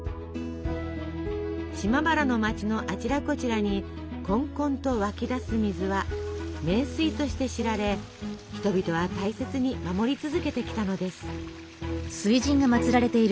島原の町のあちらこちらにこんこんと湧き出す水は名水として知られ人々は大切に守り続けてきたのです。